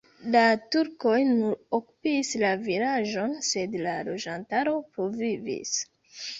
La turkoj nur okupis la vilaĝon, sed la loĝantaro pluvivis.